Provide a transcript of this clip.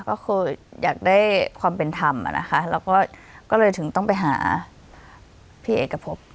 ก็คืออยากได้ความเป็นธรรมอ่ะนะคะเราก็เลยถึงต้องไปหาพี่เอกพบ